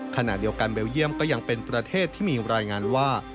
ขณะเดียวกันเบลเยี่ยมก็ยังเป็นประเทศที่มีรายงานว่า